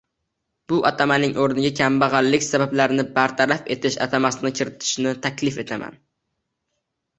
Bu atamaning o‘rniga «kambag‘allik sabablarini bartaraf etish» atamasini kiritishni taklif etaman.